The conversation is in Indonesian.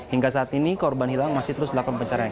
hingga saat ini korban hilang masih terus dilakukan pencarian